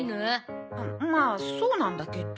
まあそうなんだけど。